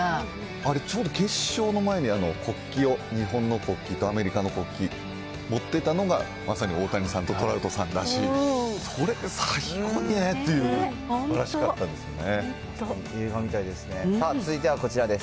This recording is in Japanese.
あれ、ちょうど決勝の前に国旗を、日本の国旗とアメリカの国旗持ってたのが、まさに大谷さんとトラウトさんだし、それで最後にねっていう、すばらしかったですよね。